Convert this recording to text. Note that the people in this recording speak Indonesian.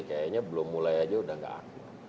kayaknya belum mulai saja sudah tidak ada